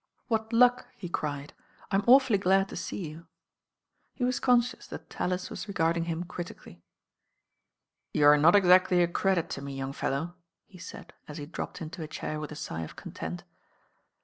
"What luck," he cried. "I'm awfuUy glad to see you." He was conscious that Tallis was regarding him critically. "You're not exactly a credit to me, young fellow," he said as he dropped into a chair with a sigh of content.